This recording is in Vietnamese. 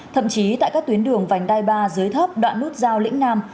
thậm chí tại các tuyến đường vành đai ba dưới thấp đoạn nút giao lĩnh nam